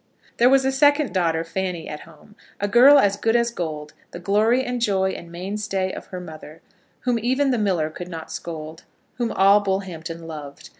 There was a second daughter, Fanny, at home, a girl as good as gold, the glory and joy and mainstay of her mother, whom even the miller could not scold, whom all Bullhampton loved.